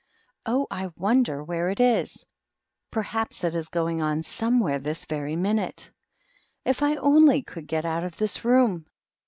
"Oh, I n der where it is ! Perhaps it is going on so THE MOCK TURTLE. 237 where this very minute. If I only could get out of this room!"